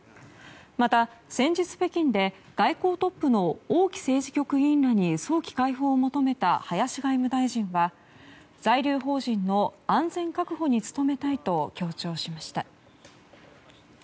また先日、北京で外交トップの王毅政治局委員らに早期解放を求めた林外務大臣は在留邦人の安全確保に努めたいと強調しました。